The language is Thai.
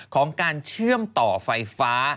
ของการเชื่อมต่อไฟฟ้า